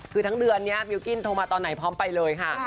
คือทั้งเดือนนี้บิลกิ้นโทรมาตอนไหนพร้อมไปเลยค่ะ